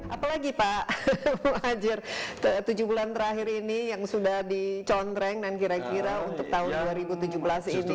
apalagi pak muhajir tujuh bulan terakhir ini yang sudah dicontreng dan kira kira untuk tahun dua ribu tujuh belas ini